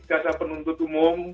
jaksa penuntut umum